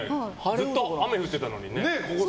ずっと雨降ってたのに。